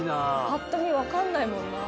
パッと見分かんないもんなあ。